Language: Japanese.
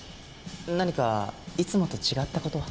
何かいつもと違った事は？